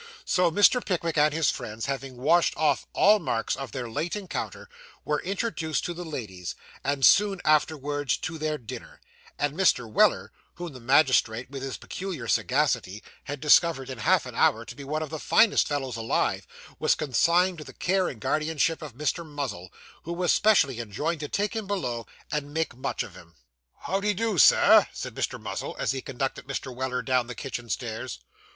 So Mr. Pickwick and his friends, having washed off all marks of their late encounter, were introduced to the ladies, and soon afterwards to their dinner; and Mr. Weller, whom the magistrate, with his peculiar sagacity, had discovered in half an hour to be one of the finest fellows alive, was consigned to the care and guardianship of Mr. Muzzle, who was specially enjoined to take him below, and make much of him. 'How de do, sir?' said Mr. Muzzle, as he conducted Mr. Weller down the kitchen stairs.